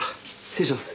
失礼します。